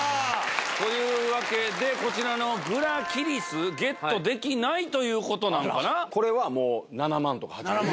こちらのグラキリスゲットできないということなのかな。